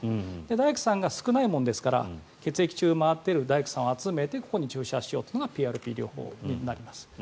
大工さんが少ないものですから血液中を回ってる大工さんを集めてここに注射しようというのがＰＲＰ療法になります。